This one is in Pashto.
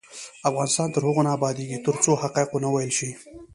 افغانستان تر هغو نه ابادیږي، ترڅو حقایق ونه ویل شي.